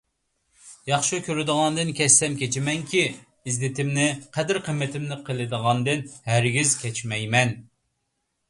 ياخشى كۆرىدىغاندىن كەچسەم كېچىمەنكى، ئىززىتىمنى، قەدىر-قىممىتىمنى قىلغاندىن ھەرگىز كەچمەيمەن.